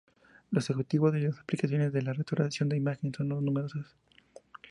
Los objetivos y las aplicaciones de la restauración de imagen son numerosos.